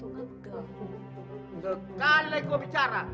gak kali lagi kau bicara